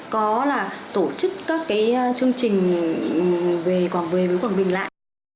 có là tổ chức các chương trình về quảng bình lại